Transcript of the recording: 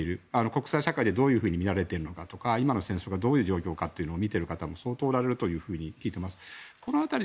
国際社会でどういうふうに見られているのかとか今の戦争がどういう状況かを見ている方が相当おられるというふうに聞いています。